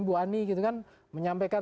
bu ani gitu kan menyampaikan